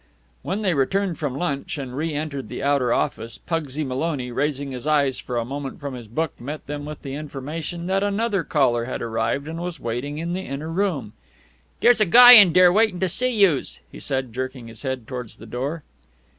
When they returned from lunch, and reentered the outer office, Pugsy Maloney, raising his eyes for a moment from his book, met them with the information that another caller had arrived and was waiting in the inner room. "Dere's a guy in dere waitin' to see youse," he said, jerking his head towards the door.